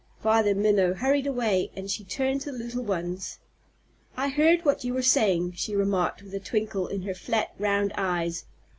Father Minnow hurried away and she turned to the little ones. "I heard what you were saying," she remarked, with a twinkle in her flat, round eyes.